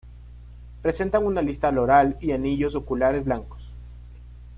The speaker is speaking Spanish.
Presentan una lista loral y anillos oculares blancos.